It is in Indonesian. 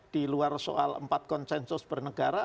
diluar soal empat konsensus pernegara